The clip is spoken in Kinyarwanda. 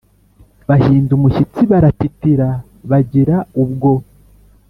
Bahinda umushyitsi baratitira bagira ubwo